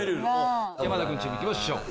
山田君チーム行きましょう。